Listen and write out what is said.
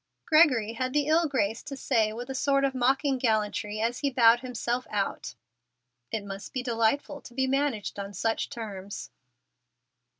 Gregory had the ill grace to say with a sort of mocking gallantry, as he bowed himself out, "It must be delightful to be managed on such terms."